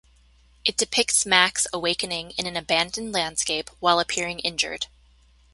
It depicts Max awakening in an abandoned landscape while appearing injured.